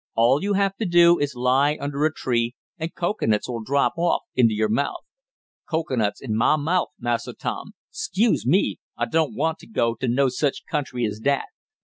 All you have to do is to lie under a tree and cocoanuts will drop off into your mouth." "Cocoanuts in mah mouf, Massa Tom! 'Scuse me! I doan't want t' go to no sich country as dat.